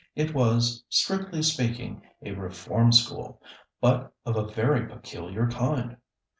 It was, strictly speaking, a Reform School, but of a very peculiar kind.